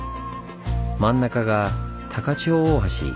真ん中が高千穂大橋。